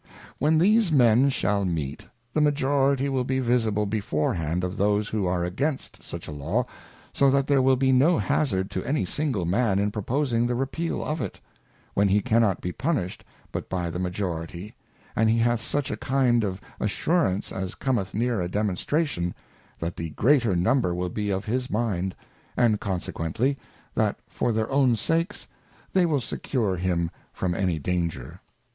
When these Men shall meet, the Majority will be visible beforehand of those who are against such a Law, so that there will be no hazard to any single Man in proposing the Repefil of it, when he cannot be punished but by the Majority, and he hath such a kind of assurance as cometh near a Demonstration, that the greater Number will be of his mind, and consequently, that for their own sakes they will secure him from any danger.